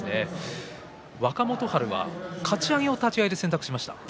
若元春、かち上げの立ち合いを選択しました。